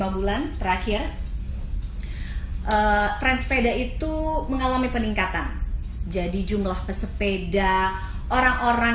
bulan terakhir eh transpeda itu mengalami peningkatan jadi jumlah pesepeda orang orang